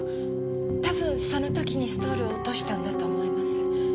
多分その時にストールを落としたんだと思います。